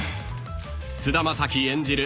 ［菅田将暉演じる